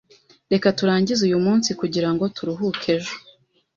Reka turangize uyu munsi, kugirango turuhuke ejo.